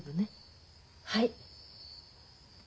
はい。